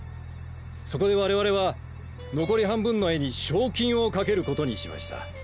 そこで我々は残り半分の絵に賞金を懸けることにしました。